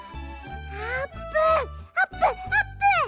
あーぷんあぷんあぷん！